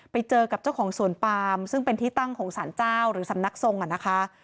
ไปเจอกับเจ้าของสวนปามซึ่งเป็นที่ตั้งของสารเจ้าหรือสำนักทรงอ่ะนะคะ